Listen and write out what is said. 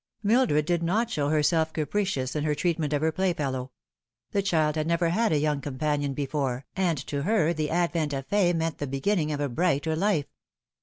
Mildred did not show herself capricious in her treat ment of her playfellow. The child had never had a young companion before, and to her the advent of Fay meant the beginning of a brighter life.